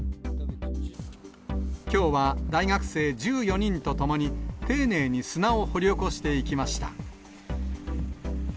きょうは大学生１４人と共に、丁寧に砂を掘り起こしていきました。